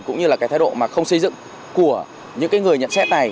cũng như là cái thái độ mà không xây dựng của những người nhận xét này